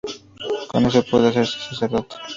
Con eso pudo hacerse sacerdote.